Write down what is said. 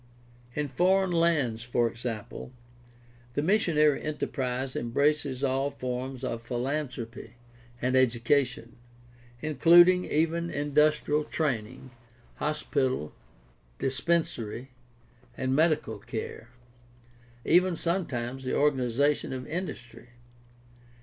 In foreign lands, for example, the missionary enterprise embraces all forms of philanthropy and education, including even industrial training, hospital, dispensary, and medical care, even some times the organization of industry.